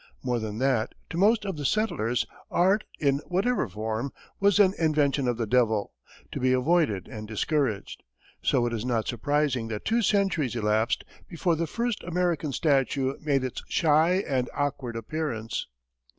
More than that, to most of the settlers, art, in whatever form, was an invention of the devil, to be avoided and discouraged. So it is not surprising that two centuries elapsed before the first American statue made its shy and awkward appearance.